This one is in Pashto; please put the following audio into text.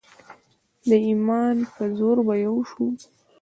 د ایمان په زور به یو شو.